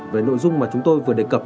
về nội dung mà chúng tôi vừa đề cập